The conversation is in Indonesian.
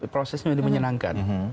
prosesnya menjadi menyenangkan